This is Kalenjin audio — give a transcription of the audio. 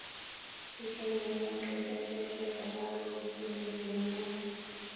Bichiinwek eng kebeberwek alak ko ikimiiti mungaret